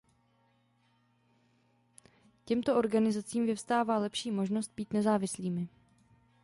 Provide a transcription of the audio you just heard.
Tím těmto organizacím vyvstává lepší možnost být nezávislými.